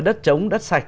đất trống đất sạch